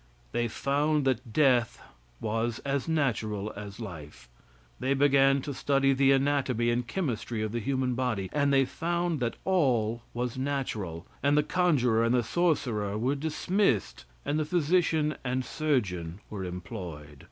They found that death was as natural as life. They began to study the anatomy and chemistry of the human body, and they found that all was natural, and the conjurer and the sorcerer were dismissed, and the physician and surgeon were employed.